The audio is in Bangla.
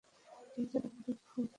কেন যে ঘরমুখী কবুতর হলাম না?